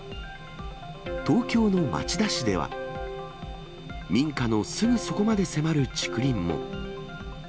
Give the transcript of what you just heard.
東京の町田市では、民家のすぐそこまで迫る竹林も。